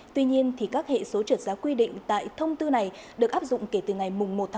tuy nhiên các hệ số trượt giá quy định tại thông tư này được áp dụng kể từ ngày một một hai nghìn hai mươi ba